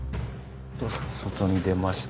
外に出ました。